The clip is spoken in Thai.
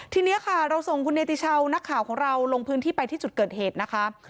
ทีนี้ค่ะเราส่งคุณเนติชาวนักข่าวของเราลงพื้นที่ไปที่จุดเกิดเหตุนะคะ